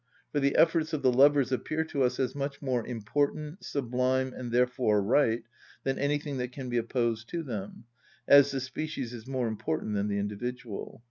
For the efforts of the lovers appear to us as much more important, sublime, and therefore right, than anything that can be opposed to them, as the species is more important than the individual.